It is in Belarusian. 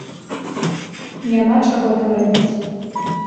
Няма чаго там рабіць.